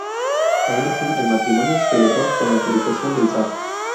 Aun así el matrimonio se celebró con la autorización del zar.